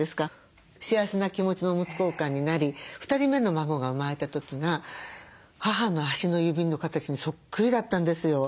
幸せな気持ちのおむつ交換になり２人目の孫が生まれた時が母の足の指の形にそっくりだったんですよ。